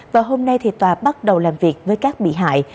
và hôm nay tòa bắt đầu làm việc với các bị hại